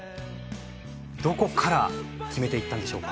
どこから決めていったんでしょうか？